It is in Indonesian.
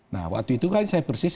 nah waktu itu kan saya persis